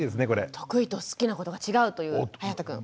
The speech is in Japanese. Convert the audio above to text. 得意と好きなことが違うというはやたくん。